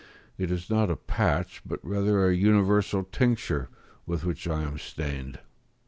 It is not a patch, but rather an universal tincture, with which I am stained.